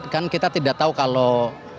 kan kita tidak tahu kalau